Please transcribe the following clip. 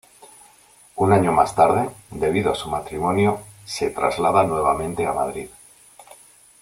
Un año más tarde, debido a su matrimonio se traslada nuevamente a Madrid.